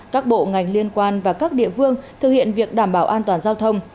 các bộ ngành liên quan và các địa phương thực hiện việc đảm bảo an toàn giao thông